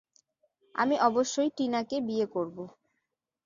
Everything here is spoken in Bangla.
আমি অবশ্যই টিনাকে বিয়ে করবো।